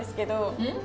うん？